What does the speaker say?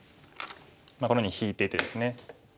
このように引いててですね。